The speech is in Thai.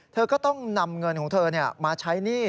เธอก็ต้องนำเงินของเธอมาใช้หนี้